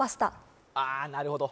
なるほど